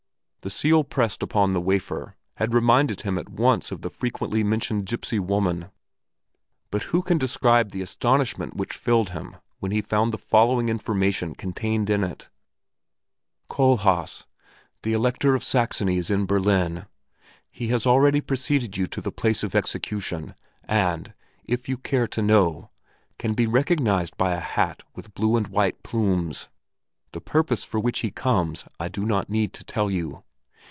The seal pressed upon the wafer had reminded him at once of the frequently mentioned gipsy woman, but who can describe the astonishment which filled him when he found the following information contained in it: "Kohlhaas, the Elector of Saxony is in Berlin; he has already preceded you to the place of execution, and, if you care to know, can be recognized by a hat with blue and white plumes. The purpose for which he comes I do not need to tell you.